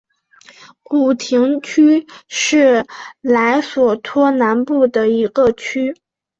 古廷区是莱索托南部的一个区。